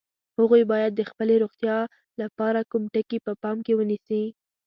هغوی باید د خپلې روغتیا لپاره کوم ټکي په پام کې ونیسي؟